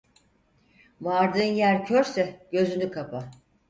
Vardığın yer körse gözünü kapa.